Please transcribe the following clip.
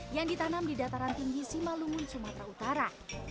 yang ditanam di dataran tinggi simalungun sumatera utara